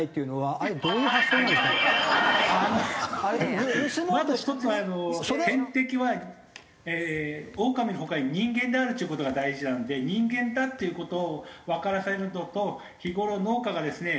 あのまず１つはあの天敵はえーオオカミの他に人間であるっちゅう事が大事なので人間だっていう事をわからせるのと日頃農家がですね